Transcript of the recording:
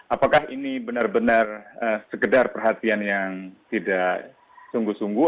apakah ini benar benar sekedar perhatian yang tidak sungguh sungguh